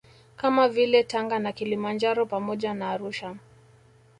Kama vile Tanga na Kilimanjaro pamoja na Arusha